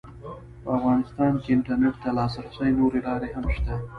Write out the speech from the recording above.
ایا افغانستان کې انټرنېټ ته د لاسرسي نورې لارې هم شته؟